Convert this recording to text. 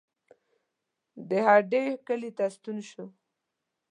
د هډې کلي ته ستون شو.